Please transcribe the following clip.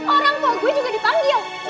orang tua gue juga dipanggil